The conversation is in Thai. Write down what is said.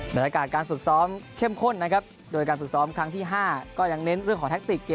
บรรยากาศการฝึกซ้อมเข้มข้นนะครับโดยการฝึกซ้อมครั้งที่๕ก็ยังเน้นเรื่องของแท็กติกเกม